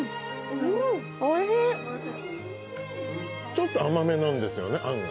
ちょっと甘めなんですよねあんがね。